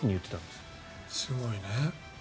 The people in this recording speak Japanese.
すごいね。